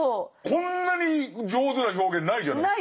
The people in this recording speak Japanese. こんなに上手な表現ないじゃないですか。